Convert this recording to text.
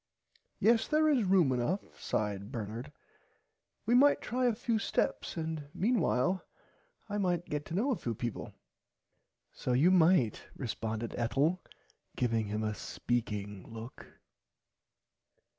Yes there is room enough sighed Bernard we might try a few steps and meanwhile I might get to know a few peaple. So you might responded Ethel giving him a speaking look.